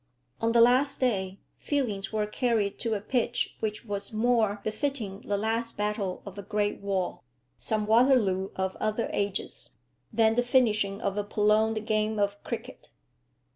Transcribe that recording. On the last day feelings were carried to a pitch which was more befitting the last battle of a great war, some Waterloo of other ages, than the finishing of a prolonged game of cricket.